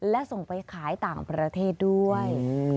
และส่งไปขายต่างประเทศด้วย